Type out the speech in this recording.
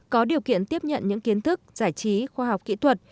có điều kiện tiếp nhận những kiến thức giải trí khoa học kỹ thuật